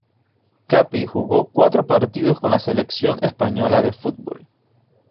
Capi jugó cuatro partidos con la selección española de fútbol.